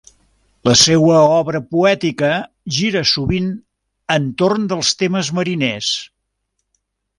La seua obra poètica gira sovint entorn dels temes mariners.